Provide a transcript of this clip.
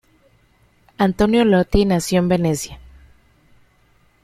Antonio Lotti nació en Venecia.